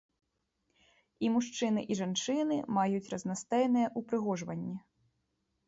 І мужчыны, і жанчыны маюць разнастайныя ўпрыгожванні.